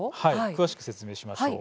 詳しく説明しましょう。